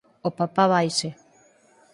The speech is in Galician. O papá vaise